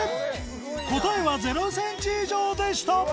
答えは０ｃｍ以上でした！